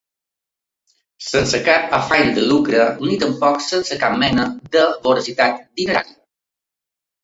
Sense cap “afany de lucre” ni tampoc sense cap mena de “voracitat dinerària”.